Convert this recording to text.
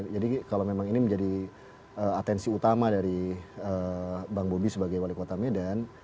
jadi kalau memang ini menjadi atensi utama dari bang bobby sebagai wali kota medan